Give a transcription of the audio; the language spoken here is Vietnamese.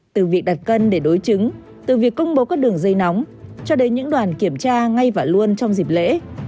từ việc đặt cân để đối chứng từ việc công bố các đường dây nóng cho đến những đoàn kiểm tra ngay và luôn trong dịp lễ